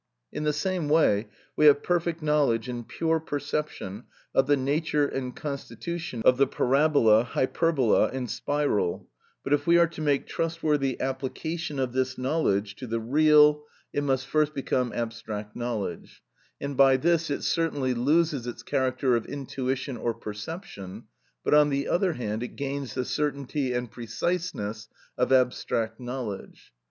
In the same way we have perfect knowledge in pure perception of the nature and constitution of the parabola, hyperbola, and spiral; but if we are to make trustworthy application of this knowledge to the real, it must first become abstract knowledge, and by this it certainly loses its character of intuition or perception, but on the other hand it gains the certainty and preciseness of abstract knowledge.